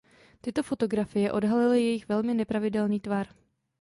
Tyto fotografie odhalily jejich velmi nepravidelný tvar.